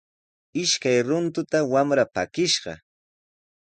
Ishkay runtuta wamra pakishqa.